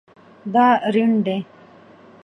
دا ریڼ دی